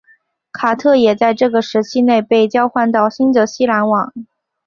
卡特也在这个时期内被交换到新泽西篮网。